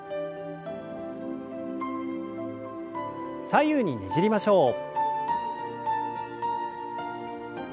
左右にねじりましょう。